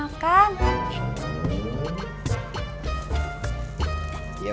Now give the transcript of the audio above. yaudah kalau gitu